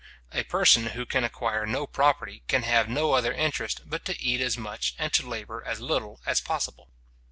A person who can acquire no property can have no other interest but to eat as much and to labour as little as possible.